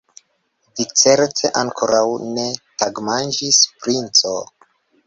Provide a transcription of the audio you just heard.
Vi certe ankoraŭ ne tagmanĝis, princo?